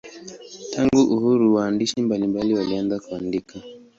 Tangu uhuru waandishi mbalimbali walianza kuandika.